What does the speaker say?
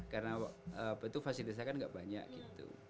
karena itu fasilitasnya kan gak banyak gitu